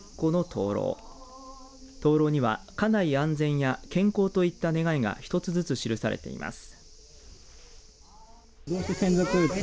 灯籠には家内安全や健康といった願いが１つずつ記されています。